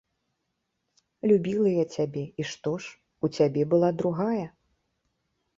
Любіла я цябе, і што ж, у цябе была другая.